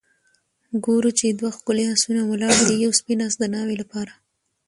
ګورو چې دوه ښکلي آسونه ولاړ دي ، یو سپین آس د ناوې لپاره